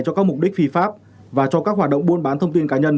cho các mục đích phi pháp và cho các hoạt động buôn bán thông tin cá nhân